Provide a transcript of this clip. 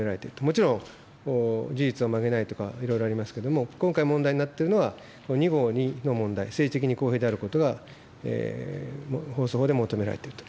もちろん、事実を曲げないとか、いろいろありますけれども、今回、問題になっているのは、２号の問題、政治的に公平であることが放送法で求められていると。